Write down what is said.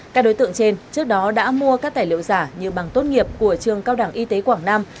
các đối tượng trên trước đó đã mua các tài liệu giả như bằng tốt nghiệp của trường cao đẳng y tế quảng nam